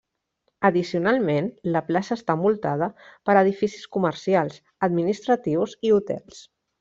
Addicionalment, la plaça està envoltada per edificis comercials, administratius i hotels.